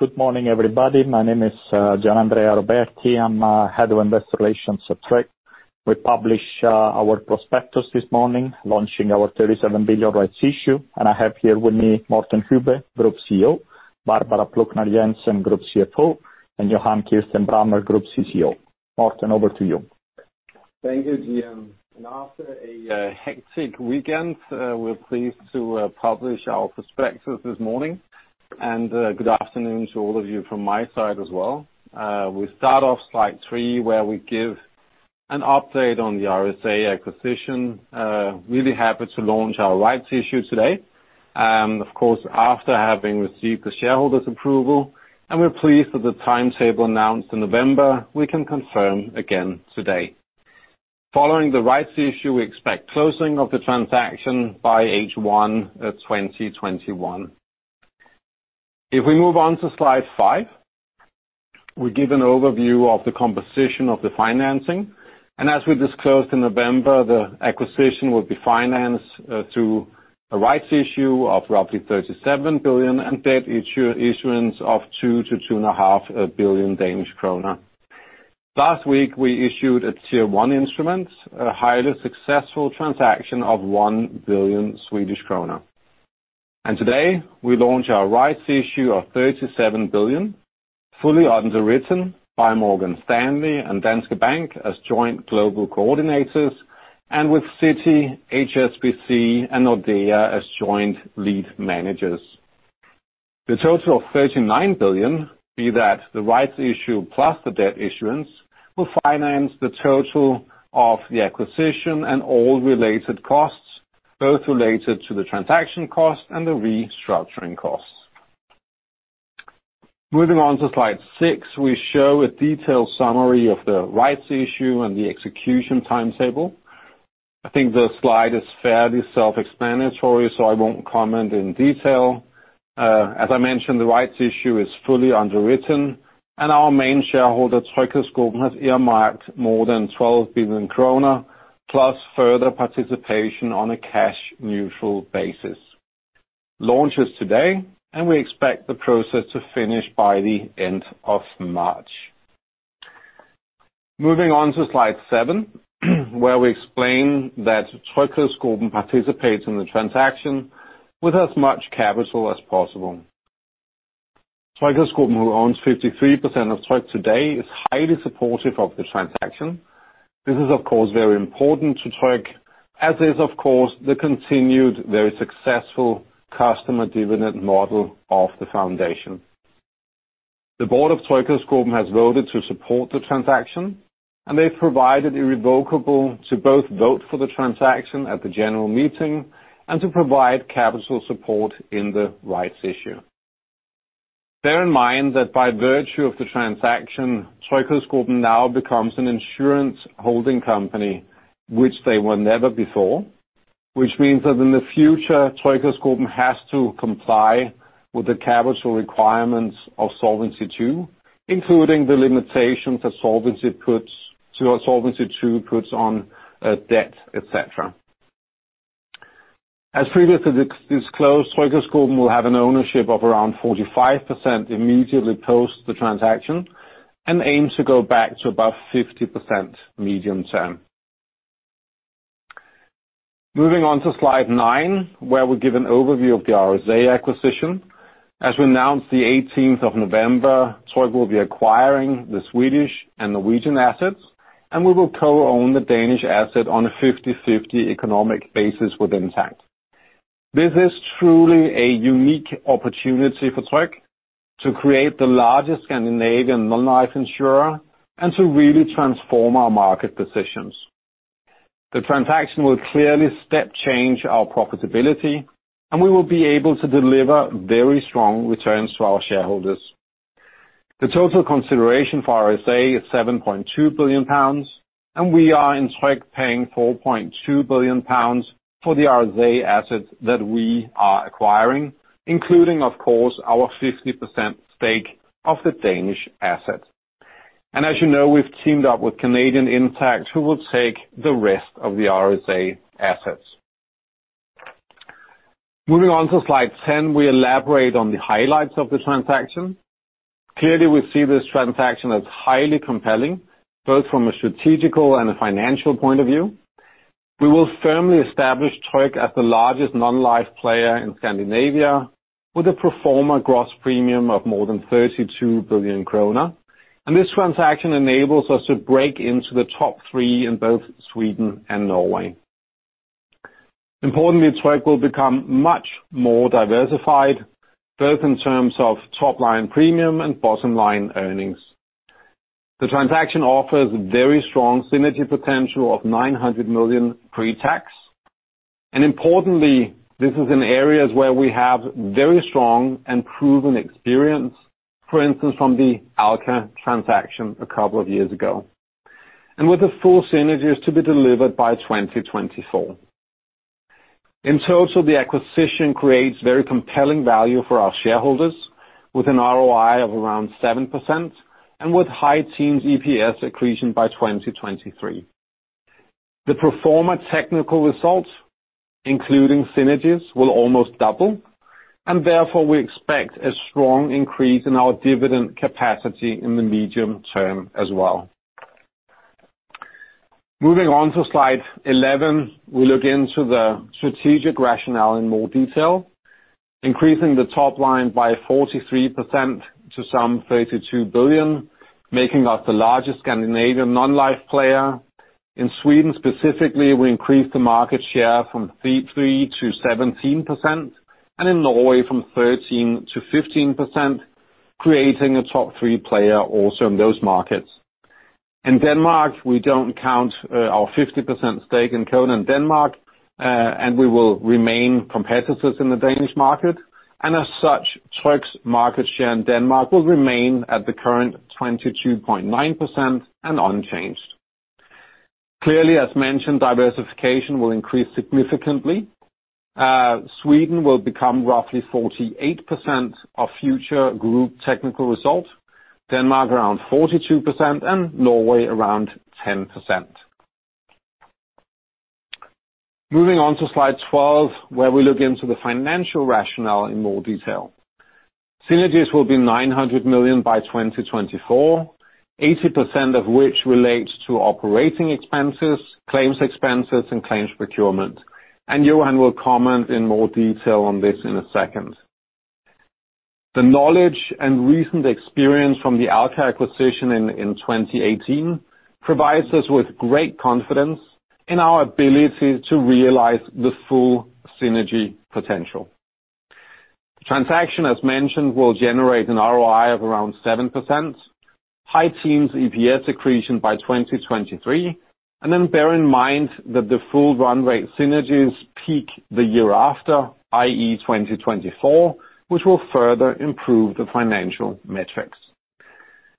Good morning, everybody. My name is Gianandrea Roberti. I'm head of investor relations at Tryg. We published our prospectus this morning, launching our DKK 37 billion rights issue, and I have here with me Morten Hübbe, Group CEO, Barbara Plucnar Jensen, Group CFO, and Johan Kirstein Brammer, Group CCO. Morten, over to you. Thank you, Gian. And after a hectic weekend, we're pleased to publish our prospectus this morning. And good afternoon to all of you from my side as well. We start off slide three, where we give an update on the RSA acquisition. Really happy to launch our rights issue today. And of course, after having received the shareholders' approval, and we're pleased that the timetable announced in November, we can confirm again today. Following the rights issue, we expect closing of the transaction by H1 2021. If we move on to slide five, we give an overview of the composition of the financing. And as we disclosed in November, the acquisition will be financed through a rights issue of roughly 37 billion and debt issuance of 2 billion-2.5 billion Danish kroner. Last week, we issued a Tier 1 instrument, a highly successful transaction of 1 billion Swedish kronor. Today, we launch our rights issue of 37 billion, fully underwritten by Morgan Stanley and Danske Bank as joint global coordinators, and with Citi, HSBC, and Nordea as joint lead managers. The total of 39 billion, be that the rights issue plus the debt issuance, will finance the total of the acquisition and all related costs, both related to the transaction cost and the restructuring costs. Moving on to slide six, we show a detailed summary of the rights issue and the execution timetable. I think the slide is fairly self-explanatory, so I won't comment in detail. As I mentioned, the rights issue is fully underwritten, and our main shareholder, TryghedsGruppen, has earmarked more than 12 billion krone, plus further participation on a cash-neutral basis. Launch is today, and we expect the process to finish by the end of March. Moving on to slide seven, where we explain that TryghedsGruppen participates in the transaction with as much capital as possible. TryghedsGruppen, who owns 53% of Tryg today, is highly supportive of the transaction. This is, of course, very important to Tryg, as is, of course, the continued, very successful customer-dividend model of the foundation. The board of TryghedsGruppen has voted to support the transaction, and they've provided irrevocable to both vote for the transaction at the general meeting and to provide capital support in the rights issue. Bear in mind that by virtue of the transaction, TryghedsGruppen now becomes an insurance holding company, which they were never before, which means that in the future, TryghedsGruppen has to comply with the capital requirements of Solvency II, including the limitations that Solvency II puts on debt, etc. As previously disclosed, TryghedsGruppen will have an ownership of around 45% immediately post the transaction and aims to go back to about 50% medium term. Moving on to slide nine, where we give an overview of the RSA acquisition. As we announced the 18th of November, Tryg will be acquiring the Swedish and Norwegian assets, and we will co-own the Danish asset on a 50/50 economic basis within Codan. This is truly a unique opportunity for Tryg to create the largest Scandinavian non-life insurer and to really transform our market positions. The transaction will clearly step-change our profitability, and we will be able to deliver very strong returns to our shareholders. The total consideration for RSA is 7.2 billion pounds, and we are in Tryg paying 4.2 billion pounds for the RSA asset that we are acquiring, including, of course, our 50% stake of the Danish asset. And as you know, we've teamed up with Canadian Intact, who will take the rest of the RSA assets. Moving on to slide 10, we elaborate on the highlights of the transaction. Clearly, we see this transaction as highly compelling, both from a strategic and a financial point of view. We will firmly establish Tryg as the largest non-life player in Scandinavia, with a pro forma gross premium of more than 32 billion kroner. And this transaction enables us to break into the top three in both Sweden and Norway. Importantly, Tryg will become much more diversified, both in terms of top-line premium and bottom-line earnings. The transaction offers a very strong synergy potential of 900 million pre-tax, and importantly, this is in areas where we have very strong and proven experience, for instance, from the Alka transaction a couple of years ago, and with the full synergies to be delivered by 2024. In total, the acquisition creates very compelling value for our shareholders, with an ROI of around 7% and with high teens EPS accretion by 2023. The pro forma technical results, including synergies, will almost double, and therefore we expect a strong increase in our dividend capacity in the medium term as well. Moving on to slide 11, we look into the strategic rationale in more detail, increasing the top line by 43% to some 32 billion, making us the largest Scandinavian non-life player. In Sweden specifically, we increased the market share from 3% to 17%, and in Norway from 13% to 15%, creating a top three player also in those markets. In Denmark, we don't count our 50% stake in Codan in Denmark, and we will remain competitors in the Danish market. As such, Tryg's market share in Denmark will remain at the current 22.9% and unchanged. Clearly, as mentioned, diversification will increase significantly. Sweden will become roughly 48% of future group technical result, Denmark around 42%, and Norway around 10%. Moving on to slide 12, where we look into the financial rationale in more detail. Synergies will be 900 million by 2024, 80% of which relates to operating expenses, claims expenses, and claims procurement. Johan will comment in more detail on this in a second. The knowledge and recent experience from the Alka acquisition in 2018 provides us with great confidence in our ability to realize the full synergy potential. The transaction, as mentioned, will generate an ROI of around 7%, high-teens EPS accretion by 2023. Then bear in mind that the full run rate synergies peak the year after, i.e., 2024, which will further improve the financial metrics.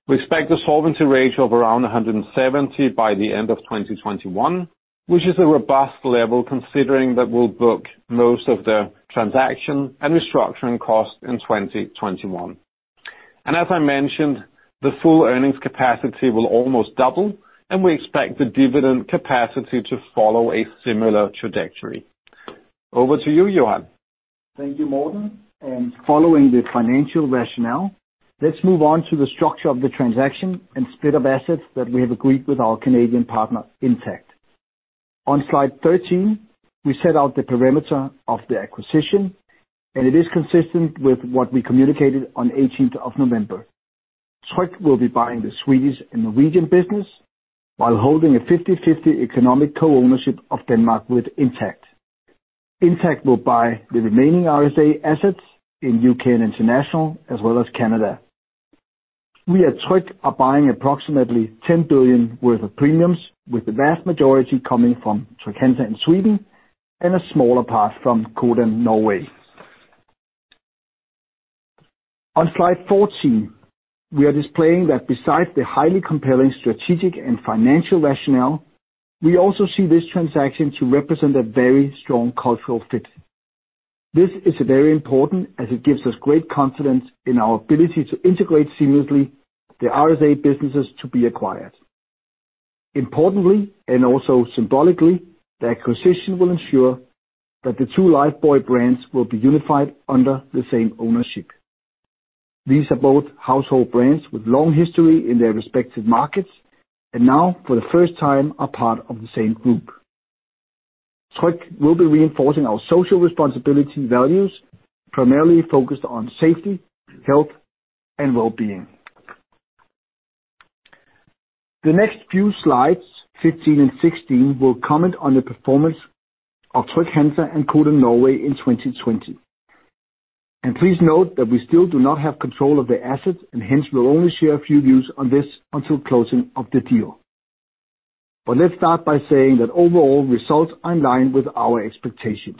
We expect a solvency ratio of around 170 by the end of 2021, which is a robust level considering that we'll book most of the transaction and restructuring cost in 2021. As I mentioned, the full earnings capacity will almost double, and we expect the dividend capacity to follow a similar trajectory. Over to you, Johan. Thank you, Morten. And following the financial rationale, let's move on to the structure of the transaction and split of assets that we have agreed with our Canadian partner, Intact. On Slide 13, we set out the parameters of the acquisition, and it is consistent with what we communicated on 18th of November. Tryg will be buying the Swedish and Norwegian business while holding a 50/50 economic co-ownership of Denmark with Intact. Intact will buy the remaining RSA assets in U.K. and international, as well as Canada. We at Tryg are buying approximately 10 billion worth of premiums, with the vast majority coming from Trygg-Hansa in Sweden and a smaller part from Codan and Norway. On Slide 14, we are displaying that besides the highly compelling strategic and financial rationale, we also see this transaction to represent a very strong cultural fit. This is very important as it gives us great confidence in our ability to integrate seamlessly the RSA businesses to be acquired. Importantly, and also symbolically, the acquisition will ensure that the two Lifebuoy brands will be unified under the same ownership. These are both household brands with long history in their respective markets and now, for the first time, are part of the same group. Tryg will be reinforcing our social responsibility values, primarily focused on safety, health, and well-being. The next few slides, 15 and 16, will comment on the performance of Trygg-Hansa and Codan and Norway in 2020. And please note that we still do not have control of the assets, and hence we'll only share a few views on this until closing of the deal. But let's start by saying that overall results are in line with our expectations.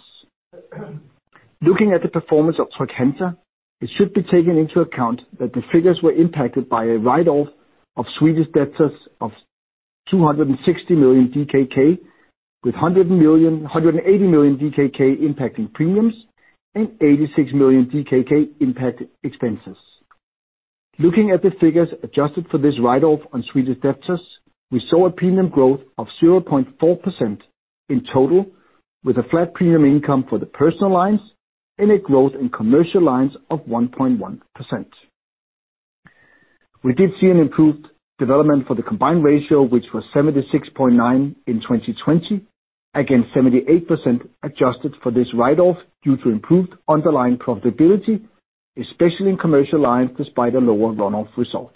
Looking at the performance of Trygg-Hansa, it should be taken into account that the figures were impacted by a write-off of Swedish debtors of 260 million DKK, with 180 million DKK impacting premiums and 86 million DKK impacting expenses. Looking at the figures adjusted for this write-off on Swedish debtors, we saw a premium growth of 0.4% in total, with a flat premium income for the personal lines and a growth in commercial lines of 1.1%. We did see an improved development for the combined ratio, which was 76.9% in 2020, against 78% adjusted for this write-off due to improved underlying profitability, especially in commercial lines despite a lower run-off result.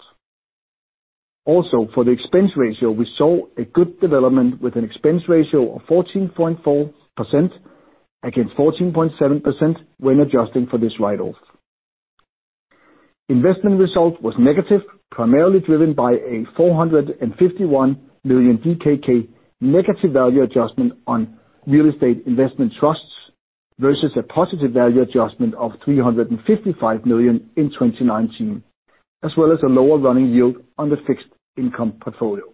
Also, for the expense ratio, we saw a good development with an expense ratio of 14.4% against 14.7% when adjusting for this write-off. Investment result was negative, primarily driven by a 451 million DKK negative value adjustment on real estate investment trusts versus a positive value adjustment of 355 million in 2019, as well as a lower running yield on the fixed income portfolio.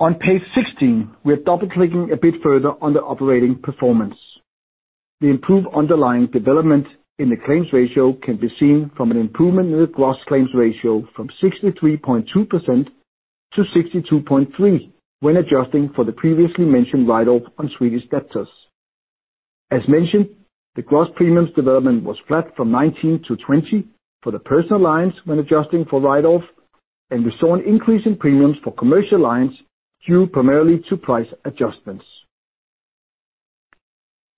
On page 16, we are double-clicking a bit further on the operating performance. The improved underlying development in the claims ratio can be seen from an improvement in the gross claims ratio from 63.2% to 62.3% when adjusting for the previously mentioned write-off on Swedish debtors. As mentioned, the gross premiums development was flat from 19 to 20 for the personal lines when adjusting for write-off, and we saw an increase in premiums for commercial lines due primarily to price adjustments.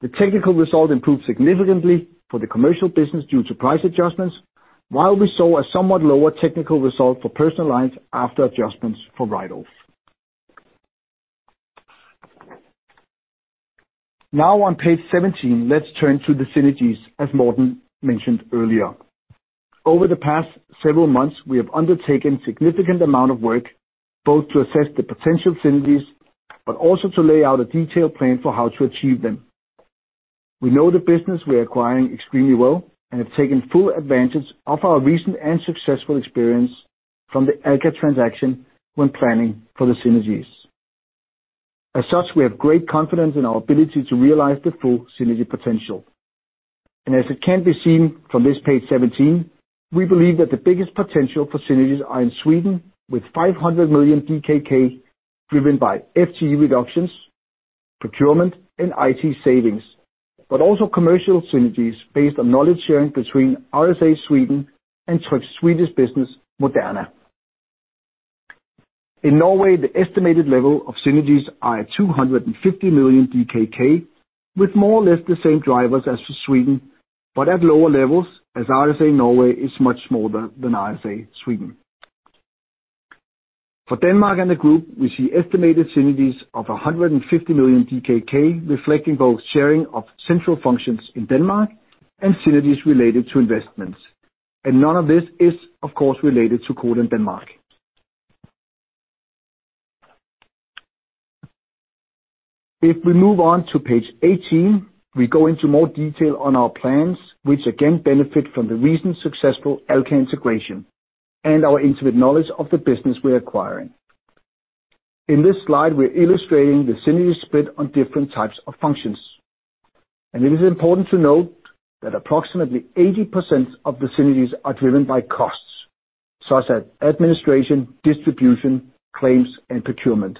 The technical result improved significantly for the commercial business due to price adjustments, while we saw a somewhat lower technical result for personal lines after adjustments for write-off. Now on page 17, let's turn to the synergies, as Morten mentioned earlier. Over the past several months, we have undertaken a significant amount of work, both to assess the potential synergies, but also to lay out a detailed plan for how to achieve them. We know the business we are acquiring extremely well and have taken full advantage of our recent and successful experience from the Alka transaction when planning for the synergies. As such, we have great confidence in our ability to realize the full synergy potential, and as it can be seen from this page 17, we believe that the biggest potential for synergies are in Sweden, with 500 million DKK driven by FTE reductions, procurement, and IT savings, but also commercial synergies based on knowledge sharing between RSA Sweden and Tryg's Swedish business, Moderna. In Norway, the estimated level of synergies is 250 million DKK, with more or less the same drivers as for Sweden, but at lower levels, as RSA Norway is much smaller than RSA Sweden. For Denmark and the group, we see estimated synergies of 150 million DKK, reflecting both sharing of central functions in Denmark and synergies related to investments. None of this is, of course, related to Codan in Denmark. If we move on to page 18, we go into more detail on our plans, which again benefit from the recent successful Alka integration and our intimate knowledge of the business we are acquiring. In this slide, we are illustrating the synergy split on different types of functions. It is important to note that approximately 80% of the synergies are driven by costs, such as administration, distribution, claims, and procurement.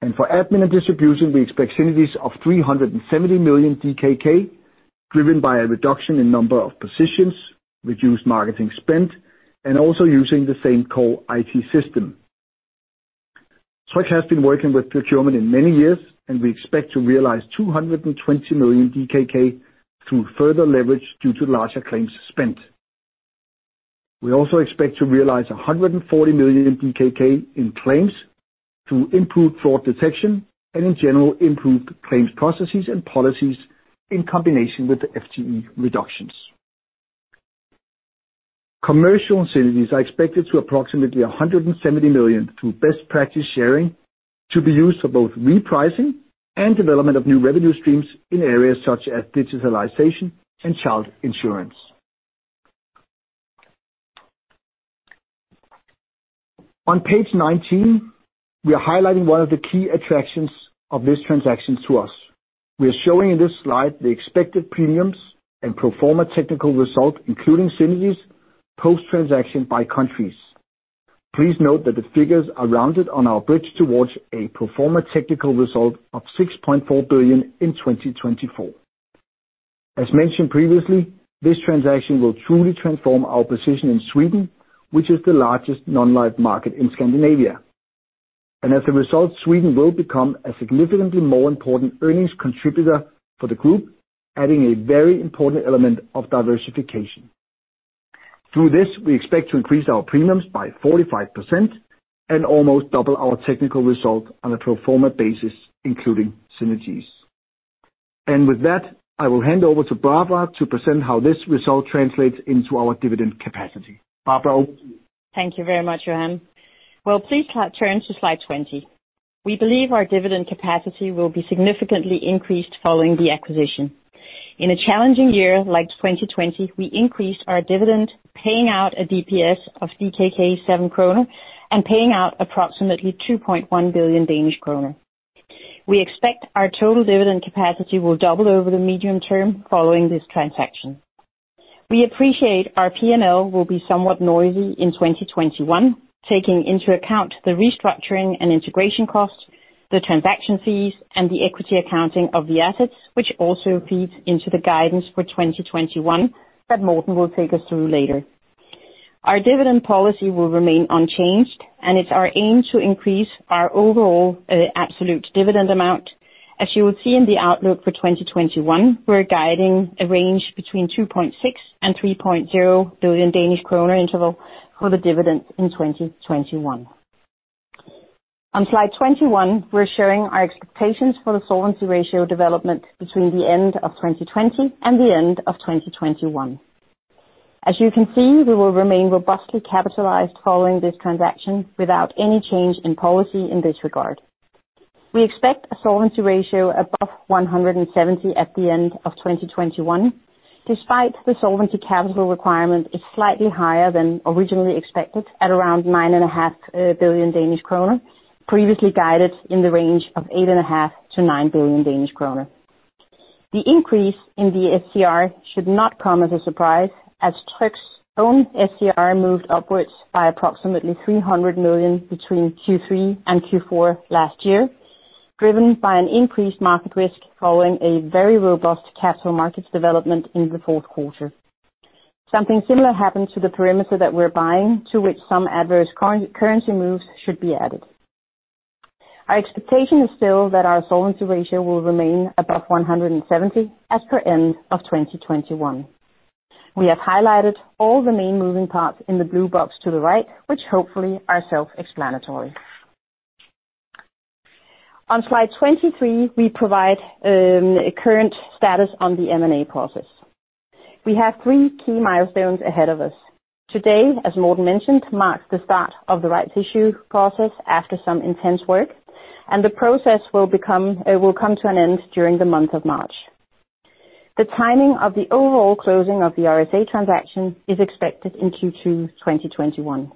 And for admin and distribution, we expect synergies of 370 million DKK, driven by a reduction in number of positions, reduced marketing spend, and also using the same core IT system. Tryg has been working with procurement in many years, and we expect to realize 220 million DKK through further leverage due to larger claims spent. We also expect to realize 140 million DKK in claims through improved fraud detection and, in general, improved claims processes and policies in combination with the FTE reductions. Commercial synergies are expected to approximate 170 million through best practice sharing to be used for both repricing and development of new revenue streams in areas such as digitalization and child insurance. On page 19, we are highlighting one of the key attractions of this transaction to us. We are showing in this slide the expected premiums and pro forma technical result, including synergies post-transaction by countries. Please note that the figures are rounded on our bridge towards a pro forma technical result of 6.4 billion in 2024. As mentioned previously, this transaction will truly transform our position in Sweden, which is the largest non-life market in Scandinavia. And as a result, Sweden will become a significantly more important earnings contributor for the group, adding a very important element of diversification. Through this, we expect to increase our premiums by 45% and almost double our technical result on a pro forma basis, including synergies. And with that, I will hand over to Barbara to present how this result translates into our dividend capacity. Barbara. Thank you very much, Johan. Please turn to slide 20. We believe our dividend capacity will be significantly increased following the acquisition. In a challenging year like 2020, we increased our dividend, paying out a DPS of 7 kroner and paying out approximately 2.1 billion Danish kroner. We expect our total dividend capacity will double over the medium term following this transaction. We appreciate our P&L will be somewhat noisy in 2021, taking into account the restructuring and integration costs, the transaction fees, and the equity accounting of the assets, which also feeds into the guidance for 2021 that Morten will take us through later. Our dividend policy will remain unchanged, and it's our aim to increase our overall absolute dividend amount. As you will see in the outlook for 2021, we're guiding a range between 2.6 billion and 3.0 billion Danish kroner interval for the dividends in 2021. On slide 21, we're sharing our expectations for the solvency ratio development between the end of 2020 and the end of 2021. As you can see, we will remain robustly capitalized following this transaction without any change in policy in this regard. We expect a solvency ratio above 170 at the end of 2021, despite the solvency capital requirement is slightly higher than originally expected at around 9.5 billion Danish kroner, previously guided in the range of 8.5-9 billion Danish kroner. The increase in the SCR should not come as a surprise, as Tryg's own SCR moved upwards by approximately 300 million between Q3 and Q4 last year, driven by an increased market risk following a very robust capital markets development in the fourth quarter. Something similar happened to the perimeter that we're buying, to which some adverse currency moves should be added. Our expectation is still that our solvency ratio will remain above 170% as per end of 2021. We have highlighted all the main moving parts in the blue box to the right, which hopefully are self-explanatory. On slide 23, we provide a current status on the M&A process. We have three key milestones ahead of us. Today, as Morten mentioned, marks the start of the rights issue process after some intense work, and the process will come to an end during the month of March. The timing of the overall closing of the RSA transaction is expected in Q2 2021,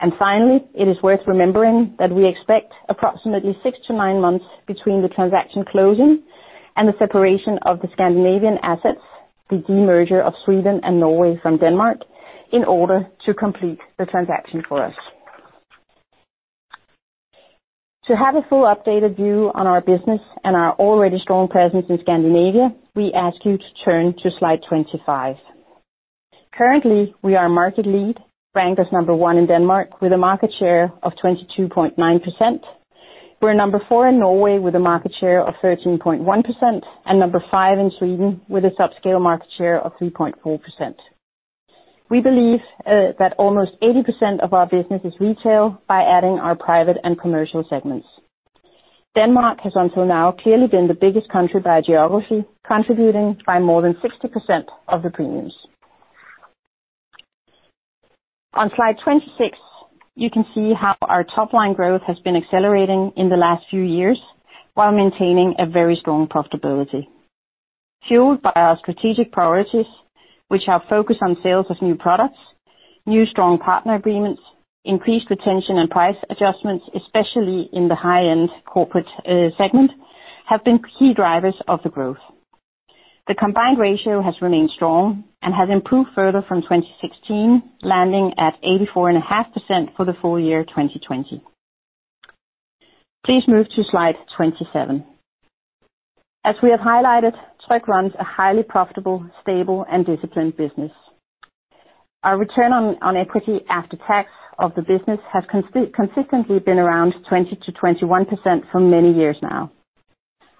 and finally, it is worth remembering that we expect approximately six to nine months between the transaction closing and the separation of the Scandinavian assets, the demerger of Sweden and Norway from Denmark, in order to complete the transaction for us. To have a full updated view on our business and our already strong presence in Scandinavia, we ask you to turn to slide 25. Currently, we are market leader, ranked as number one in Denmark with a market share of 22.9%. We're number four in Norway with a market share of 13.1% and number five in Sweden with a subscale market share of 3.4%. We believe that almost 80% of our business is retail by adding our private and commercial segments. Denmark has until now clearly been the biggest country by geography, contributing by more than 60% of the premiums. On slide 26, you can see how our top-line growth has been accelerating in the last few years while maintaining a very strong profitability. Fueled by our strategic priorities, which are focused on sales of new products, new strong partner agreements, increased retention and price adjustments, especially in the high-end corporate segment, have been key drivers of the growth. The combined ratio has remained strong and has improved further from 2016, landing at 84.5% for the full year 2020. Please move to slide 27. As we have highlighted, Tryg runs a highly profitable, stable, and disciplined business. Our return on equity after tax of the business has consistently been around 20%-21% for many years now.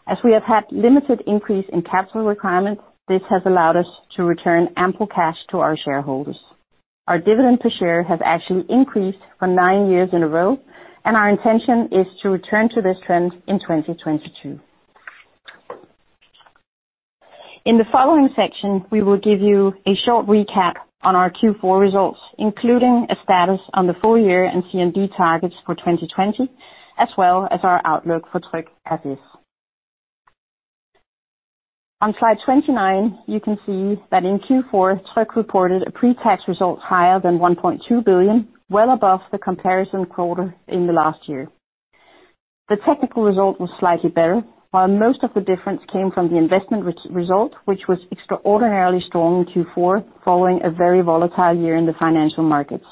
As we have had limited increase in capital requirements, this has allowed us to return ample cash to our shareholders. Our dividend per share has actually increased for nine years in a row, and our intention is to return to this trend in 2022. In the following section, we will give you a short recap on our Q4 results, including a status on the full year and CMD targets for 2020, as well as our outlook for Tryg as is. On slide 29, you can see that in Q4, Tryg reported a pre-tax result higher than 1.2 billion, well above the comparison quarter in the last year. The technical result was slightly better, while most of the difference came from the investment result, which was extraordinarily strong in Q4 following a very volatile year in the financial markets.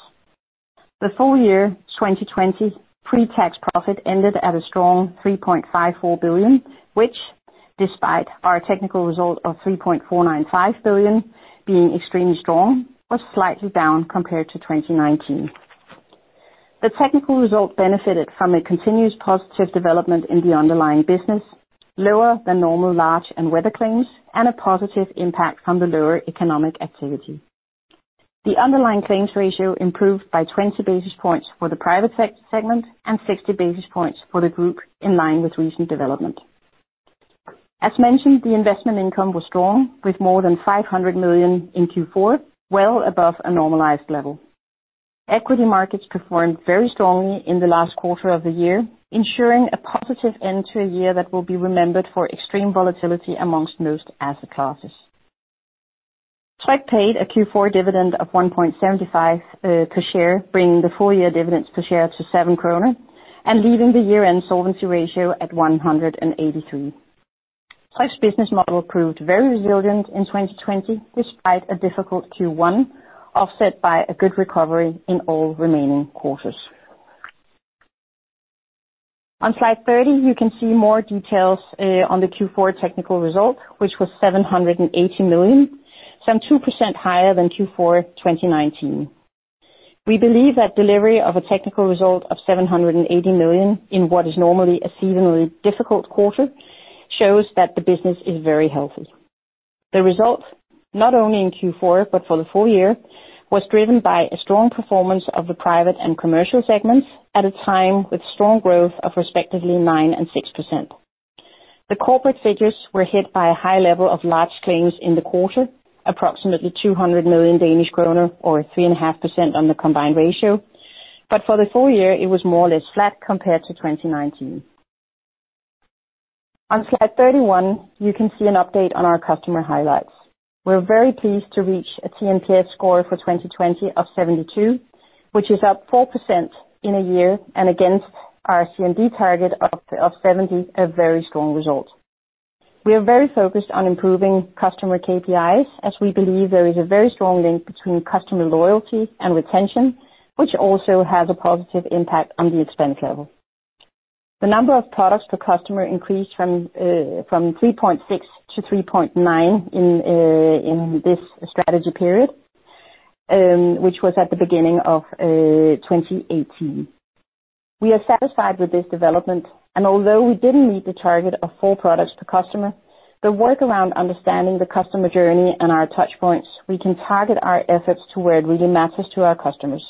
The full year 2020 pre-tax profit ended at a strong 3.54 billion, which, despite our technical result of 3.495 billion being extremely strong, was slightly down compared to 2019. The technical result benefited from a continuous positive development in the underlying business, lower than normal large and weather claims, and a positive impact from the lower economic activity. The underlying claims ratio improved by 20 basis points for the private segment and 60 basis points for the group in line with recent development. As mentioned, the investment income was strong, with more than 500 million in Q4, well above a normalized level. Equity markets performed very strongly in the last quarter of the year, ensuring a positive end to a year that will be remembered for extreme volatility amongst most asset classes. Tryg paid a Q4 dividend of 1.75 per share, bringing the full year dividends per share to 7 kroner and leaving the year-end solvency ratio at 183%. Tryg's business model proved very resilient in 2020, despite a difficult Q1 offset by a good recovery in all remaining quarters. On slide 30, you can see more details on the Q4 technical result, which was 780 million, some 2% higher than Q4 2019. We believe that delivery of a technical result of 780 million in what is normally a seasonally difficult quarter shows that the business is very healthy. The result, not only in Q4, but for the full year, was driven by a strong performance of the private and commercial segments at a time with strong growth of respectively 9% and 6%. The corporate figures were hit by a high level of large claims in the quarter, approximately 200 million Danish kroner or 3.5% on the combined ratio, but for the full year, it was more or less flat compared to 2019. On slide 31, you can see an update on our customer highlights. We're very pleased to reach a TNPS score for 2020 of 72, which is up 4% in a year and against our CMD target of 70, a very strong result. We are very focused on improving customer KPIs, as we believe there is a very strong link between customer loyalty and retention, which also has a positive impact on the expense level. The number of products per customer increased from 3.6 to 3.9 in this strategy period, which was at the beginning of 2018. We are satisfied with this development, and although we didn't meet the target of four products per customer, by working on understanding the customer journey and our touchpoints, we can target our efforts to where it really matters to our customers.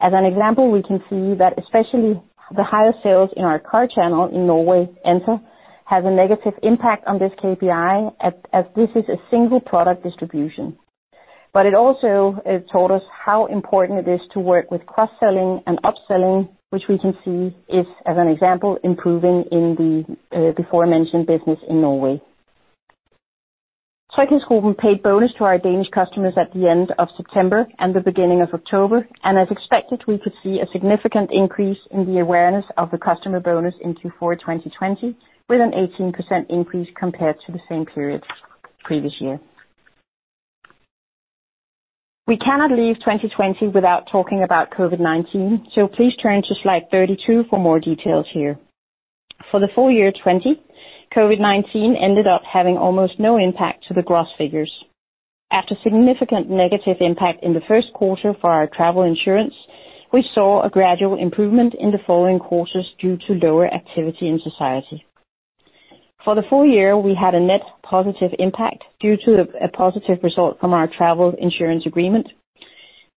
As an example, we can see that especially the higher sales in our car channel in Norway, Enter, has a negative impact on this KPI, as this is a single product distribution. But it also taught us how important it is to work with cross-selling and upselling, which we can see is, as an example, improving in the before-mentioned business in Norway. TryghedsGruppen paid bonus to our Danish customers at the end of September and the beginning of October, and as expected, we could see a significant increase in the awareness of the customer bonus in Q4 2020, with an 18% increase compared to the same period previous year. We cannot leave 2020 without talking about COVID-19, so please turn to slide 32 for more details here. For the full year 20, COVID-19 ended up having almost no impact to the gross figures. After significant negative impact in the first quarter for our travel insurance, we saw a gradual improvement in the following quarters due to lower activity in society. For the full year, we had a net positive impact due to a positive result from our travel insurance agreement.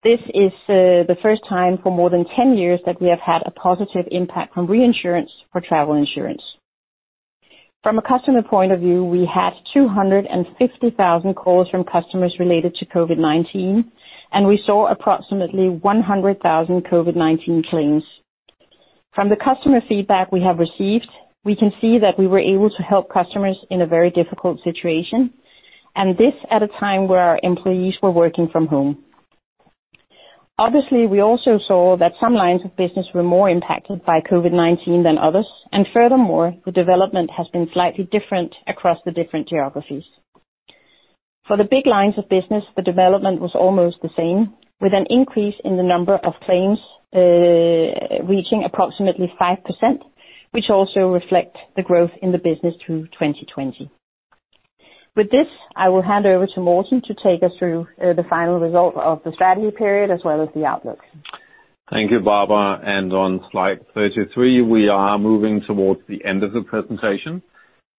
This is the first time for more than 10 years that we have had a positive impact from reinsurance for travel insurance. From a customer point of view, we had 250,000 calls from customers related to COVID-19, and we saw approximately 100,000 COVID-19 claims. From the customer feedback we have received, we can see that we were able to help customers in a very difficult situation, and this at a time where our employees were working from home. Obviously, we also saw that some lines of business were more impacted by COVID-19 than others, and furthermore, the development has been slightly different across the different geographies. For the big lines of business, the development was almost the same, with an increase in the number of claims reaching approximately 5%, which also reflects the growth in the business through 2020. With this, I will hand over to Morten to take us through the final result of the strategy period as well as the outlook. Thank you, Barbara. And on slide 33, we are moving towards the end of the presentation.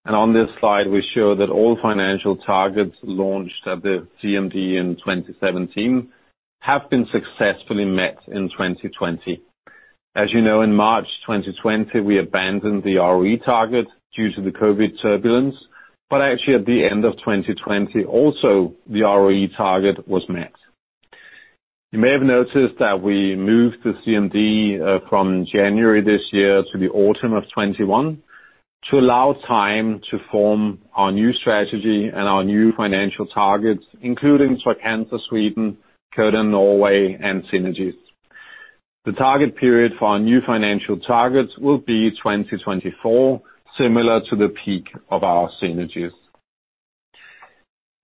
And on this slide, we show that all financial targets launched at the CMD in 2017 have been successfully met in 2020. As you know, in March 2020, we abandoned the ROE target due to the COVID turbulence, but actually at the end of 2020, also the ROE target was met. You may have noticed that we moved the CMD from January this year to the autumn of 2021 to allow time to form our new strategy and our new financial targets, including Trygg-Hansa, Sweden, Codan, Norway, and Synergies. The target period for our new financial targets will be 2024, similar to the peak of our Synergies.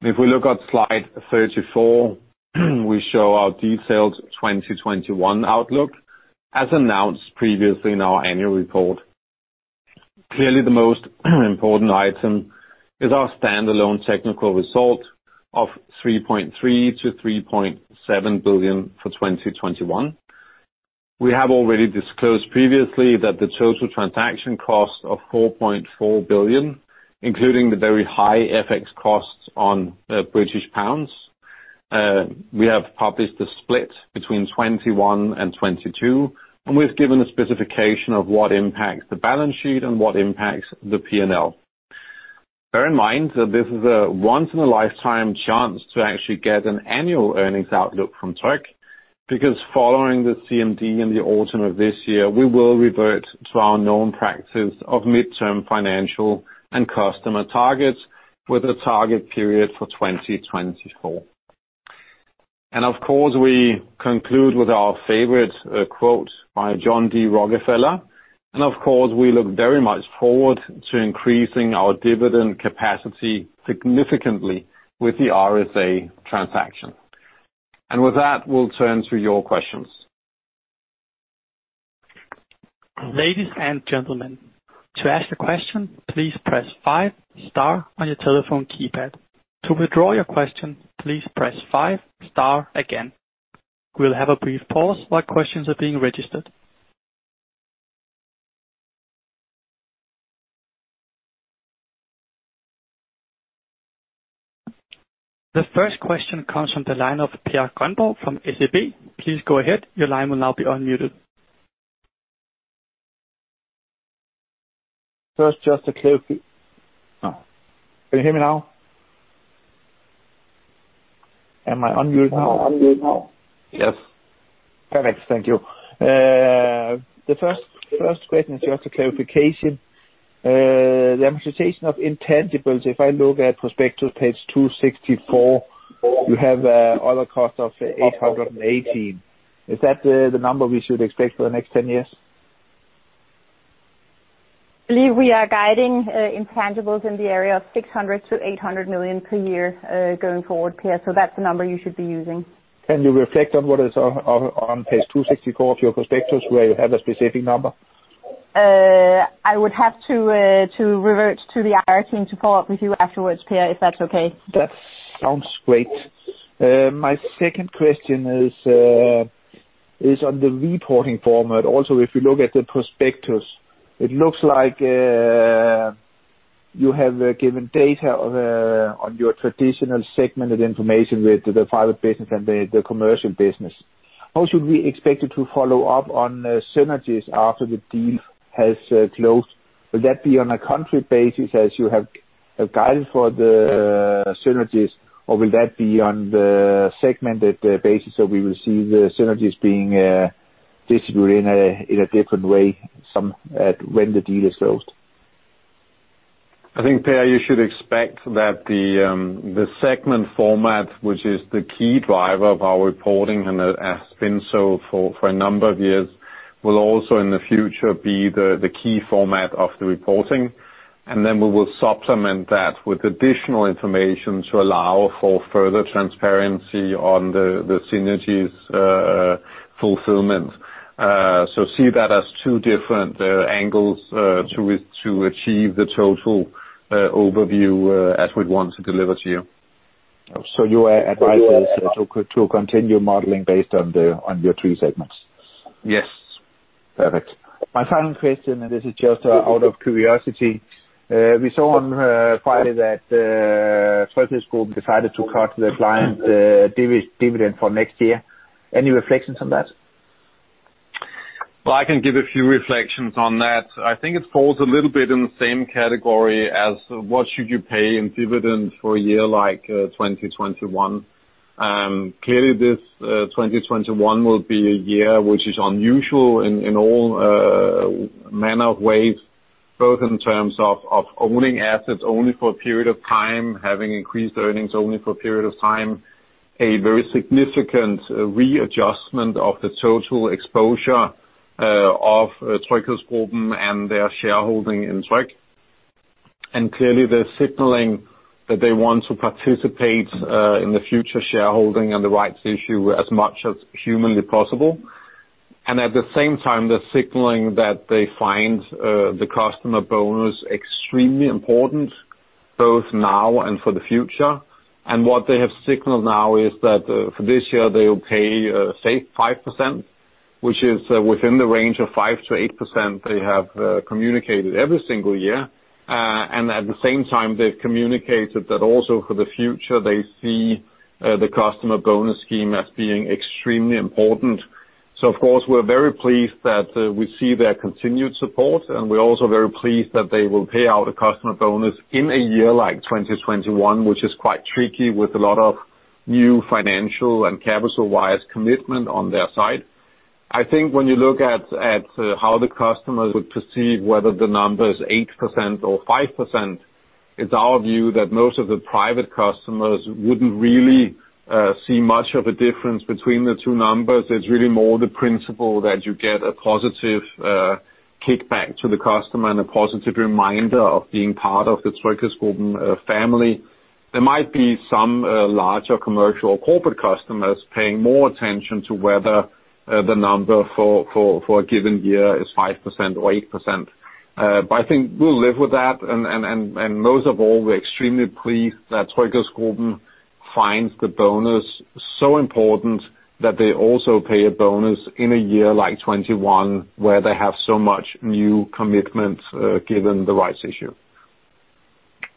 If we look at slide 34, we show our detailed 2021 outlook as announced previously in our annual report. Clearly, the most important item is our standalone technical result of 3.3 billion-3.7 billion for 2021. We have already disclosed previously that the total transaction cost of 4.4 billion, including the very high FX costs on British pounds, we have published the split between 2021 and 2022, and we've given a specification of what impacts the balance sheet and what impacts the P&L. Bear in mind that this is a once-in-a-lifetime chance to actually get an annual earnings outlook from Tryg because following the CMD in the autumn of this year, we will revert to our known practice of midterm financial and customer targets with a target period for 2024. Of course, we conclude with our favorite quote by John D. Rockefeller. Of course, we look very much forward to increasing our dividend capacity significantly with the RSA transaction. With that, we'll turn to your questions. Ladies and gentlemen, to ask a question, please press five star on your telephone keypad. To withdraw your question, please press five star again. We'll have a brief pause while questions are being registered. The first question comes from the line of Per Gronborg from SEB. Please go ahead. Your line will now be unmuted. First, just a clarification. Can you hear me now? Am I unmuted now? Yes. Perfect. Thank you. The first question is just a clarification. The amortization of intangibles, if I look at prospectus page 264, you have another cost of 818. Is that the number we should expect for the next 10 years? I believe we are guiding intangibles in the area of 600-800 million per year going forward, Per. So that's the number you should be using. Can you reflect on what is on page 264 of your prospectus where you have a specific number? I would have to revert to the IR team to follow up with you afterwards, Per, if that's okay. That sounds great. My second question is on the reporting format. Also, if you look at the prospectus, it looks like you have given data on your traditional segmented information with the private business and the commercial business. How should we expect it to follow up on synergies after the deal has closed? Will that be on a country basis as you have guided for the synergies, or will that be on the segmented basis so we will see the synergies being distributed in a different way when the deal is closed? I think, Per, you should expect that the segment format, which is the key driver of our reporting and has been so for a number of years, will also in the future be the key format of the reporting. And then we will supplement that with additional information to allow for further transparency on the synergies fulfillment. So see that as two different angles to achieve the total overview as we'd want to deliver to you. So your advice is to continue modeling based on your three segments? Yes. Perfect. My final question, and this is just out of curiosity. We saw on Friday that TryghedsGruppen decided to cut the customer dividend for next year. Any reflections on that? Well, I can give a few reflections on that. I think it falls a little bit in the same category as what should you pay in dividend for a year like 2021. Clearly, this 2021 will be a year which is unusual in all manner of ways, both in terms of owning assets only for a period of time, having increased earnings only for a period of time, a very significant readjustment of the total exposure of TryghedsGruppen and their shareholding in Tryg, and clearly, they're signaling that they want to participate in the future shareholding and the rights issue as much as humanly possible. And at the same time, they're signaling that they find the customer bonus extremely important, both now and for the future, and what they have signaled now is that for this year, they will pay 5%, which is within the range of 5%-8% they have communicated every single year, and at the same time, they've communicated that also for the future, they see the customer bonus scheme as being extremely important. So, of course, we're very pleased that we see their continued support, and we're also very pleased that they will pay out a customer bonus in a year like 2021, which is quite tricky with a lot of new financial and capital-wise commitment on their side. I think when you look at how the customers would perceive whether the number is 8% or 5%, it's our view that most of the private customers wouldn't really see much of a difference between the two numbers. It's really more the principle that you get a positive kickback to the customer and a positive reminder of being part of the TryghedsGruppen family. There might be some larger commercial or corporate customers paying more attention to whether the number for a given year is 5% or 8%. But I think we'll live with that. Most of all, we're extremely pleased that TryghedsGruppen finds the bonus so important that they also pay a bonus in a year like 2021 where they have so much new commitment given the rights issue.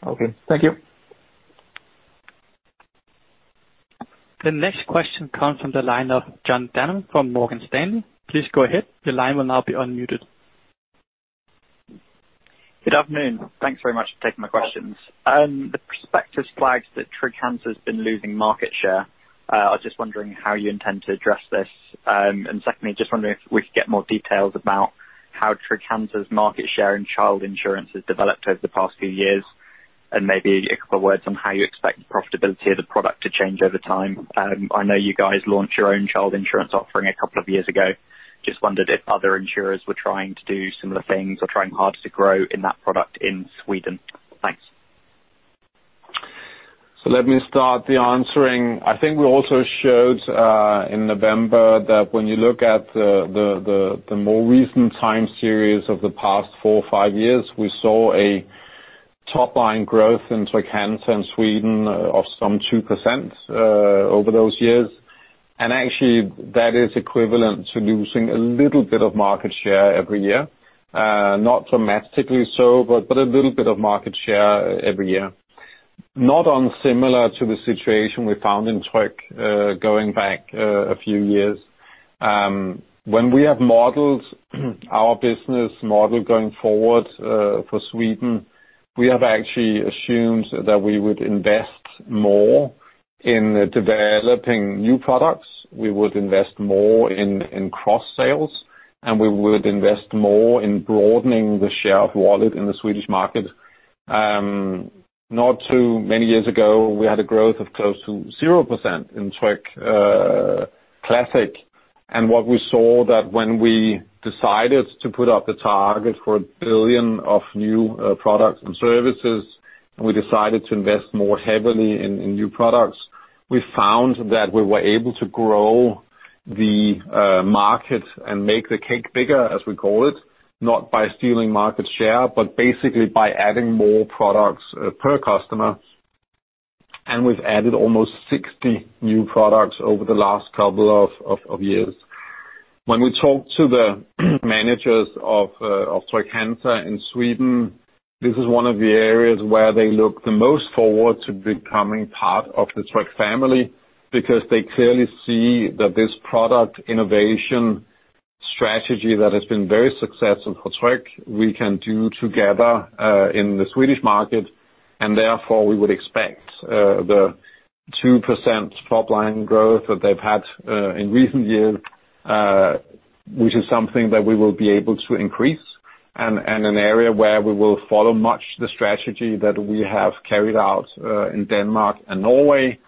Okay. Thank you. The next question comes from the line of John from Morgan Stanley. Please go ahead. Your line will now be unmuted. Good afternoon. Thanks very much for taking my questions. The prospectus flags that TryghedsGruppen has been losing market share. I was just wondering how you intend to address this. And secondly, just wondering if we could get more details about how TryghedsGruppen's market share in child insurance has developed over the past few years, and maybe a couple of words on how you expect the profitability of the product to change over time. I know you guys launched your own child insurance offering a couple of years ago. Just wondered if other insurers were trying to do similar things or trying harder to grow in that product in Sweden. Thanks. So let me start the answering. I think we also showed in November that when you look at the more recent time series of the past four or five years, we saw a top-line growth in Trygg-Hansa in Sweden of some 2% over those years. And actually, that is equivalent to losing a little bit of market share every year. Not dramatically so, but a little bit of market share every year. Not unlike the situation we found in Tryg going back a few years. When we have modeled our business model going forward for Sweden, we have actually assumed that we would invest more in developing new products. We would invest more in cross-sales, and we would invest more in broadening the share of wallet in the Swedish market. Not too many years ago, we had a growth of close to 0% in Tryg Classic. And what we saw that when we decided to put up the target for a billion of new products and services, and we decided to invest more heavily in new products, we found that we were able to grow the market and make the cake bigger, as we call it, not by stealing market share, but basically by adding more products per customer. And we've added almost 60 new products over the last couple of years. When we talk to the managers of Trygg-Hansa in Sweden, this is one of the areas where they look the most forward to becoming part of the Tryg family because they clearly see that this product innovation strategy that has been very successful for Tryg, we can do together in the Swedish market. And therefore, we would expect the 2% top-line growth that they've had in recent years, which is something that we will be able to increase. And an area where we will follow much the strategy that we have carried out in Denmark and Norway.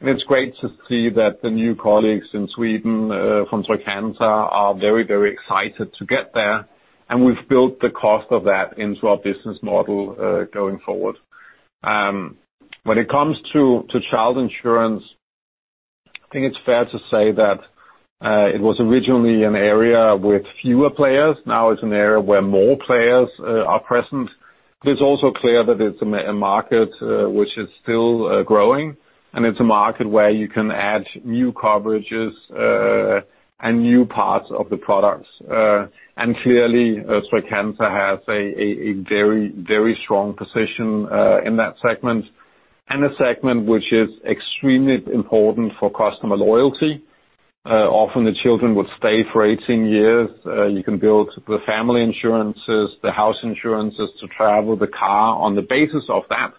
And it's great to see that the new colleagues in Sweden from Trygg-Hansa are very, very excited to get there. And we've built the cost of that into our business model going forward. When it comes to child insurance, I think it's fair to say that it was originally an area with fewer players. Now it's an area where more players are present, but it's also clear that it's a market which is still growing, and it's a market where you can add new coverages and new parts of the products, and clearly, Tryg has a very, very strong position in that segment, and a segment which is extremely important for customer loyalty. Often, the children would stay for 18 years. You can build the family insurances, the house insurances, travel, the car on the basis of that,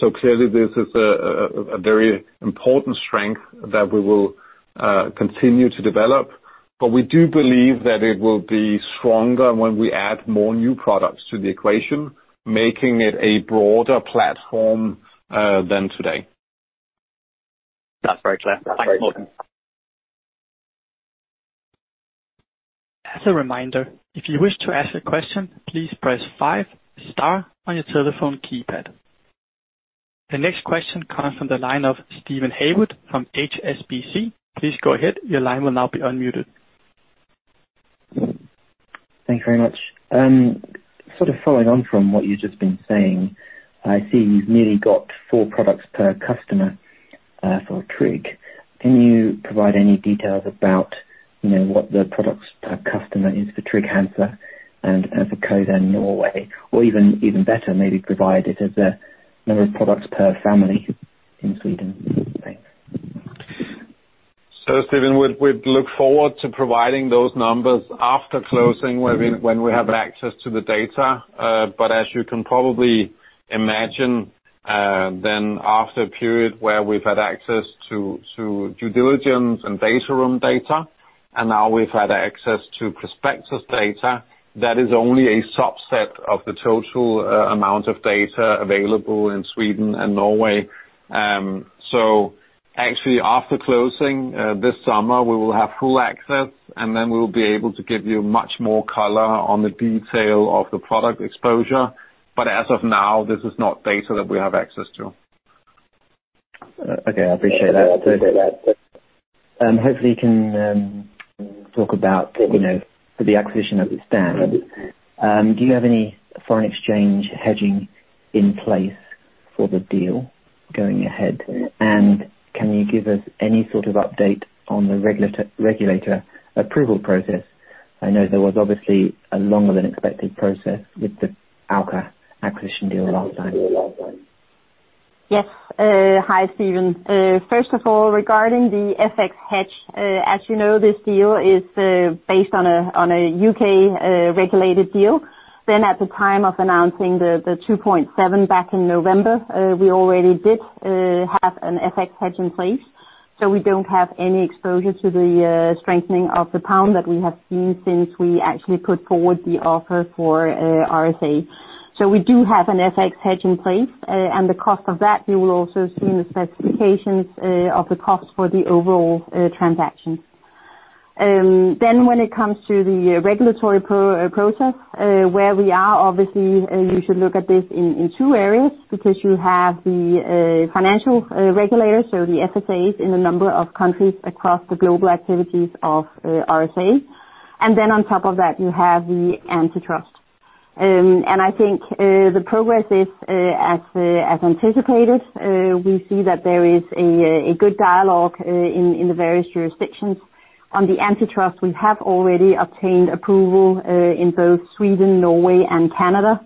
so clearly, this is a very important strength that we will continue to develop, but we do believe that it will be stronger when we add more new products to the equation, making it a broader platform than today, that's very clear. Thanks, Morgan. As a reminder, if you wish to ask a question, please press five star on your telephone keypad. The next question comes from the line of Steven Haywood from HSBC. Please go ahead. Your line will now be unmuted. Thanks very much. Sort of following on from what you've just been saying, I see you've nearly got four products per customer for Tryg. Can you provide any details about what the products per customer is for Trygg-Hansa and as a co-owner in Norway? Or even better, maybe provide it as a number of products per family in Sweden. Thanks. So Stephen, we'd look forward to providing those numbers after closing when we have access to the data. But as you can probably imagine, then after a period where we've had access to due diligence and data room data, and now we've had access to prospectus data, that is only a subset of the total amount of data available in Sweden and Norway. So actually, after closing this summer, we will have full access, and then we will be able to give you much more color on the detail of the product exposure. But as of now, this is not data that we have access to. Okay. I appreciate that. Hopefully, you can talk about the acquisition as it stands. Do you have any foreign exchange hedging in place for the deal going ahead? And can you give us any sort of update on the regulator approval process? I know there was obviously a longer-than-expected process with the Alka acquisition deal last time. Yes. Hi, Stephen. First of all, regarding the FX hedge, as you know, this deal is based on a U.K.-regulated deal. Then at the time of announcing the 2.7 back in November, we already did have an FX hedge in place. So we don't have any exposure to the strengthening of the pound that we have seen since we actually put forward the offer for RSA. So we do have an FX hedge in place. And the cost of that, you will also see in the specifications of the cost for the overall transaction. Then when it comes to the regulatory process, where we are, obviously, you should look at this in two areas because you have the financial regulators, so the FSAs, in a number of countries across the global activities of RSA. And then on top of that, you have the antitrust. And I think the progress is as anticipated. We see that there is a good dialogue in the various jurisdictions. On the antitrust, we have already obtained approval in both Sweden, Norway, and Canada.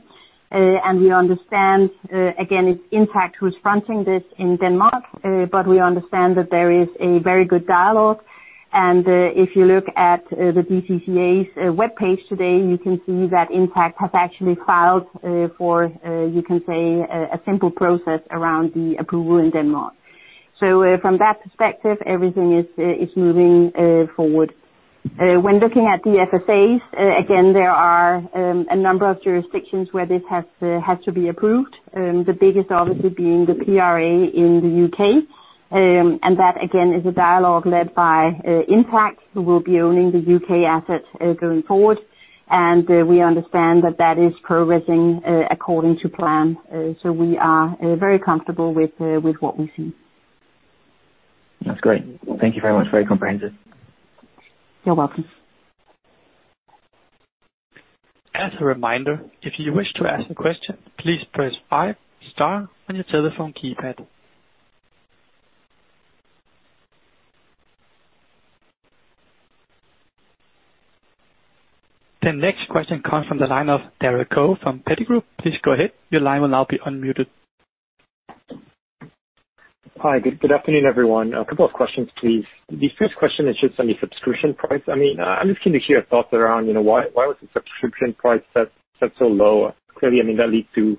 And we understand, again, it's Intact who's fronting this in Denmark, but we understand that there is a very good dialogue. And if you look at the DCCA's web page today, you can see that Intact has actually filed for, you can say, a simple process around the approval in Denmark. So from that perspective, everything is moving forward. When looking at the FSAs, again, there are a number of jurisdictions where this has to be approved, the biggest obviously being the PRA in the U.K. And that, again, is a dialogue led by Intact, who will be owning the U.K. asset going forward. And we understand that that is progressing according to plan. So we are very comfortable with what we see. That's great. Thank you very much. Very comprehensive. You're welcome. As a reminder, if you wish to ask a question, please press 5 star on your telephone keypad. The next question comes from the line of [Terry Ko from Petty Group]. Please go ahead. Your line will now be unmuted. Hi. Good afternoon, everyone. A couple of questions, please. The first question is just on the subscription price. I mean, I'm just keen to hear your thoughts around why was the subscription price set so low. Clearly, I mean, that leads to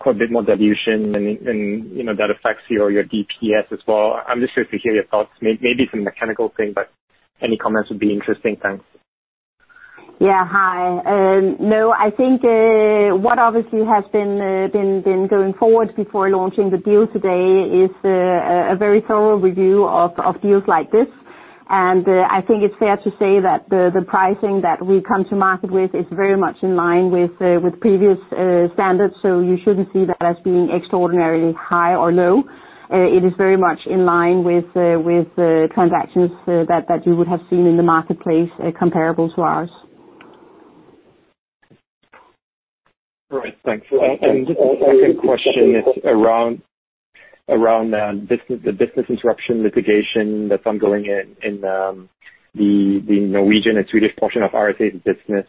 quite a bit more dilution, and that affects your DPS as well. I'm just curious to hear your thoughts. Maybe it's a mechanical thing, but any comments would be interesting. Thanks. Yeah. Hi. No, I think what obviously has been going forward before launching the deal today is a very thorough review of deals like this. And I think it's fair to say that the pricing that we come to market with is very much in line with previous standards, so you shouldn't see that as being extraordinarily high or low. It is very much in line with transactions that you would have seen in the marketplace comparable to ours. All right. Thanks. And just a quick question around the business interruption litigation that's ongoing in the Norwegian and Swedish portion of RSA's business.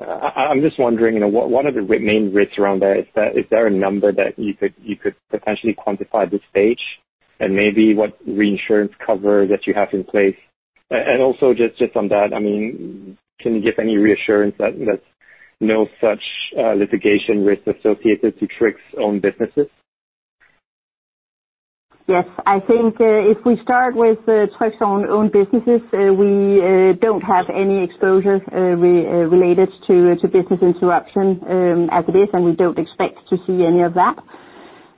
I'm just wondering, what are the main risks around that? Is there a number that you could potentially quantify at this stage? And maybe what reinsurance cover that you have in place? And also just on that, I mean, can you give any reassurance that there's no such litigation risk associated to Tryg's own businesses? Yes. I think if we start with Tryg's own businesses, we don't have any exposure related to business interruption as it is, and we don't expect to see any of that.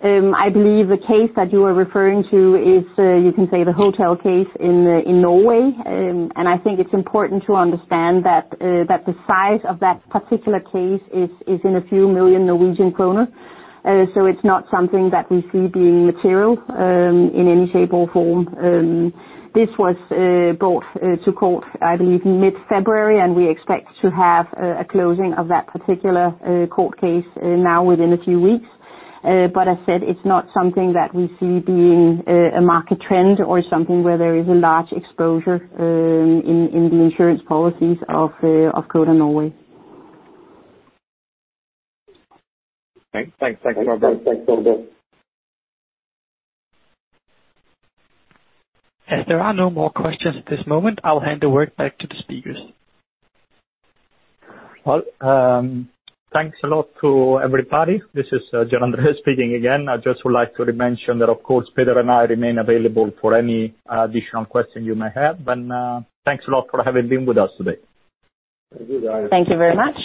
I believe the case that you are referring to is, you can say, the hotel case in Norway. And I think it's important to understand that the size of that particular case is in a few million Norwegian kroner. So it's not something that we see being material in any shape or form. This was brought to court, I believe, mid-February, and we expect to have a closing of that particular court case now within a few weeks. But as I said, it's not something that we see being a market trend or something where there is a large exposure in the insurance policies of Codan Norway. Okay. Thanks. As there are no more questions at this moment, I'll hand the word back to the speakers. Thanks a lot to everybody. This is Gianandrea speaking again. I just would like to mention that, of course, Peter and I remain available for any additional questions you may have. But thanks a lot for having been with us today. Thank you, guys. Thank you very much.